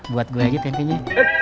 buat gue lagi tempenya